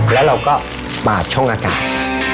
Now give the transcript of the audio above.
แล้วเราก็ปาดช่องอากาศ